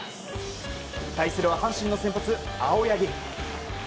対するは阪神の先発、青柳。